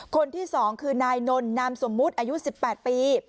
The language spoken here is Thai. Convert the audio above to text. คนที่๒คือนายนนนามสมมุติอายุ๑๘ปี